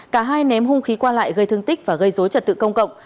cả hai ném hung khí qua lại gây thương tích và gây dối trật tự công cộng